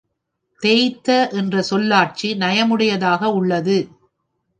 தேய்த்த என்ற சொல்லாட்சி நயமுடையதாக உள்ளது.